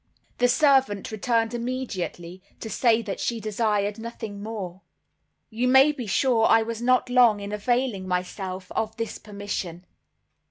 The servant returned immediately to say that she desired nothing more. You may be sure I was not long in availing myself of this permission.